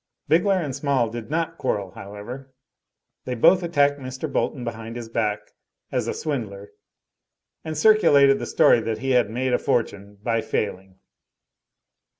Bigler and Small did not quarrel however. They both attacked Mr. Bolton behind his back as a swindler, and circulated the story that he had made a fortune by failing.